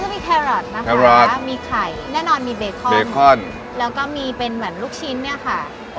มีแครอทนะคะมีไข่แน่นอนมีเบคอนเบคอนแล้วก็มีเป็นเหมือนลูกชิ้นเนี่ยค่ะ